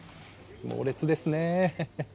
猛烈ですねえ。